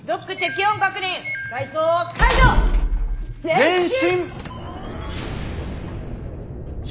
前進！